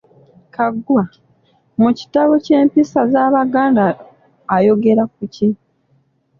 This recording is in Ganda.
"Kaggwa, mu kitabo kye Empisa z’Abaganda ayogera ku ki?"